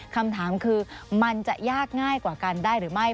คำถามคือมันจะยากง่ายกว่ากันได้หรือไม่